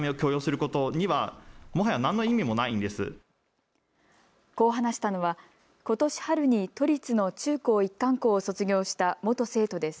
こう話したのはことし春に都立の中高一貫校を卒業した元生徒です。